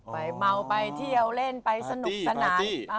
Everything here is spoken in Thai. ไปเมาไปเที่ยวเล่นไปสนุกสนาน